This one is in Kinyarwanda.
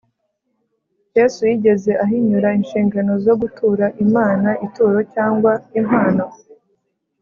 yesu yigeze ahinyura inshingano zo gutura imana ituro cyangwa impano